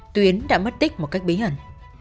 tuyến đã mất tích một cách bí ẩn